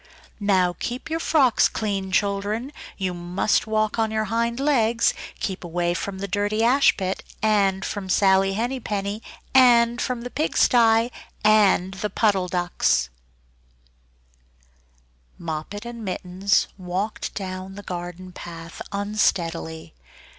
"Now keep your frocks clean, children! You must walk on your hind legs. Keep away from the dirty ash pit, and from Sally Henny Penny, and from the pig stye and the Puddle Ducks." Moppet and Mittens walked down the garden path unsteadily.